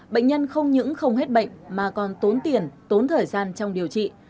bệnh nhân không những không hết bệnh mà còn tốn tiền tốn thời gian trong điều trị